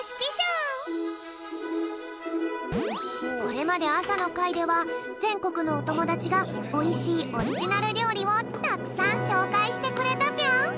これまであさのかいではぜんこくのおともだちがおいしいオリジナルりょうりをたくさんしょうかいしてくれたぴょん。